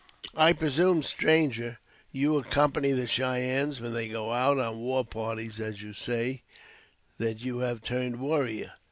"I presume, stranger, you accompany the Cheyennes when they go out on war parties, as you say that you have turned warrior."